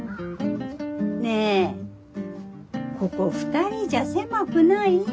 ここ２人じゃ狭くない？